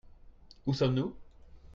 Où sommes-nous ?